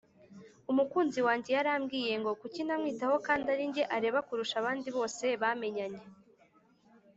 Umukunzi wanjye yarambwiye ngo kuki ntamwitaho kandi arijye areba kurusha abandi bose bamenyanye